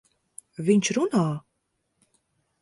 Viņš runā!